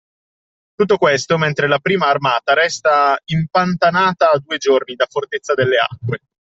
Tutto questo mentre la prima armata resta impantanata a due giorni da Fortezza delle Acque.